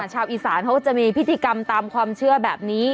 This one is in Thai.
ชาวอีสานเขาจะมีพิธีกรรมตามความเชื่อแบบนี้